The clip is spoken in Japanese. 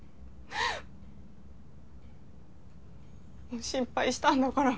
もう心配したんだから。